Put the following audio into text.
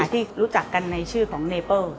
ที่รู้จักกันในชื่อของเนเปิ้ล